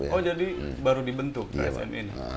oh jadi baru dibentuk asn ini